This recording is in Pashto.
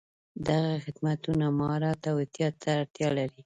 دغه خدمتونه مهارت او احتیاط ته اړتیا لري.